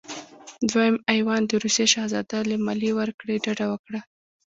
دویم ایوان د روسیې شهزاده له مالیې ورکړې ډډه وکړه.